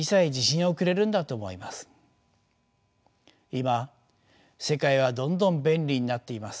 今世界はどんどん便利になっています。